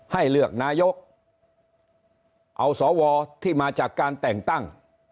ให้เลือกนายกเอาสวที่มาจากการแต่งตั้ง